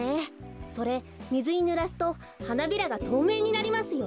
それみずにぬらすとはなびらがとうめいになりますよ。